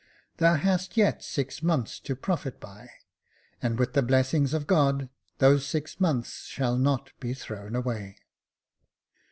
Thou hast yet six months to profit by, and, with the blessing of God, those six months shall not be thrown away."